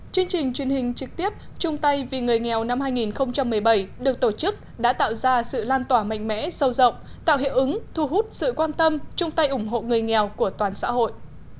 chương trình truyền hình trực tiếp trung tay vì người nghèo năm hai nghìn một mươi bảy được tổ chức đã tạo ra sự lan tỏa mạnh mẽ sâu rộng tạo hiệu ứng thu hút sự quan tâm chung tay ủng hộ người nghèo của toàn xã hội